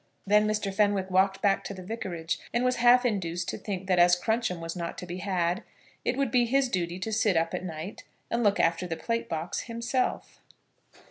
Then Mr. Fenwick walked back to the Vicarage, and was half induced to think that as Crunch'em was not to be had, it would be his duty to sit up at night, and look after the plate box himself.